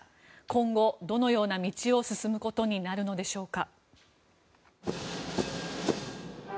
今後、どのような道を進むことになるのでしょうか。